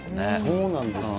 そうなんですよ。